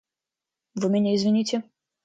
Вы меня извините.